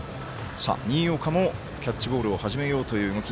新岡も、キャッチボールを始めようかという動き。